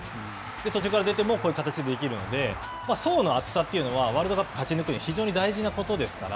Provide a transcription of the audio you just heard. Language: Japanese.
途中から出てもこういう形ができるので、層の厚さというのはワールドカップを勝ち抜く上で非常に大事なことですから。